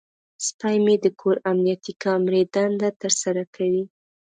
سپی مې د کور د امنیتي کامرې دنده ترسره کوي.